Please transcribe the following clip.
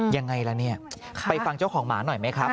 ยังไงล่ะเนี่ยไปฟังเจ้าของหมาหน่อยไหมครับ